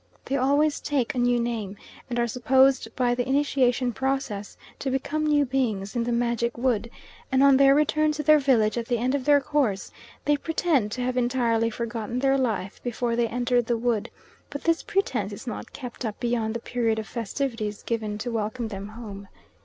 They always take a new name, and are supposed by the initiation process to become new beings in the magic wood, and on their return to their village at the end of their course, they pretend to have entirely forgotten their life before they entered the wood; but this pretence is not kept up beyond the period of festivities given to welcome them home.